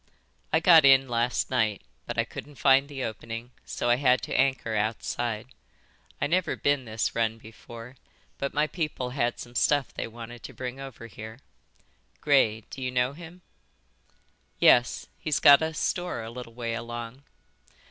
"I got in last night, but I couldn't find the opening, so I had to anchor outside. I never been this run before, but my people had some stuff they wanted to bring over here. Gray, d'you know him?" "Yes, he's got a store a little way along."